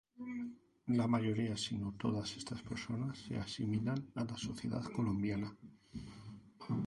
La mayoría si no todas estas personas se asimilan a la sociedad colombiana.